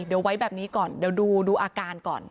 เดี๋ยวไว้แบบนี้ก่อนเดี๋ยวดูอาการก่อน